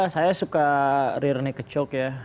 saya suka rear neck choke ya